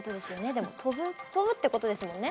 でも飛ぶ飛ぶってことですもんね？